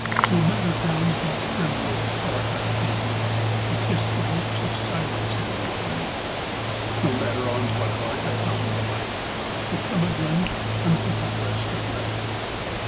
No matter down what primrose path I tend,I kiss the lips of Silence in the end.No matter on what heart I found delight,I come again unto the breast of Night.